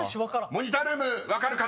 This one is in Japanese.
［モニタールーム分かる方］